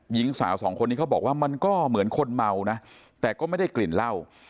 หญิงสาวสองคนนี้เขาบอกว่ามันก็เหมือนคนเมานะแต่ก็ไม่ได้กลิ่นเหล้า